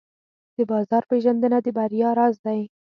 د بازار پېژندنه د بریا راز دی.